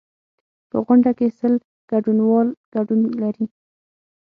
په غونډه کې سل ګډونوال ګډون لري.